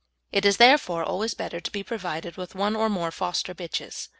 It is, therefore, always better to be provided with one or more foster bitches.